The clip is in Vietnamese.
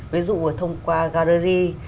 ví dụ là thông qua gallery